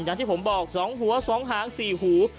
อย่างที่ผมบอก๒หัว๒หาง๔หู